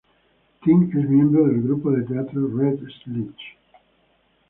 Tim es miembro del grupo de teatro "Red Stitch".